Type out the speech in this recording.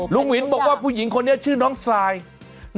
ลุงหวินบอกว่าผู้หญิงคนนี้ชื่อน้องดองไซด์